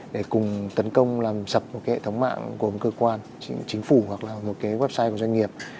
để cùng tấn công làm sập một cái hệ thống mạng gồm cơ quan chính phủ hoặc là một cái website của doanh nghiệp